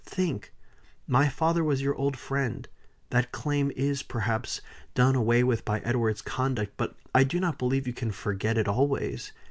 Think! My father was your old friend. That claim is, perhaps, done away with by Edward's conduct. But I do not believe you can forget it always.